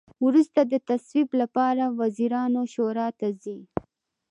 وروسته د تصویب لپاره وزیرانو شورا ته ځي.